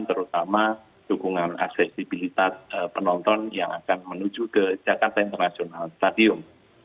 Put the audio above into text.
terutama dukungan aksesibilitas penonton yang akan menuju ke jakarta international stadium